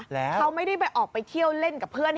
แล้วเขาไม่ได้ไปออกไปเที่ยวเล่นกับเพื่อน